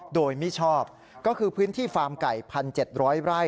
โดยมิชอบก็คือพื้นที่ฟาร์มไก่๑๗๐๐ไร่